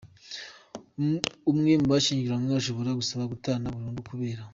Umwe mu bashyingiranwe ashobora gusaba gutana burundu kubera.